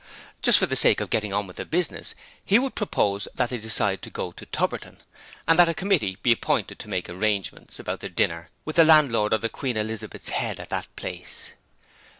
Just for the sake of getting on with the business, he would propose that they decide to go to Tubberton, and that a committee be appointed to make arrangements about the dinner with the landlord of the Queen Elizabeth's Head at that place.